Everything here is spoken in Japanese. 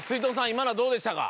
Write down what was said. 今のどうでしたか。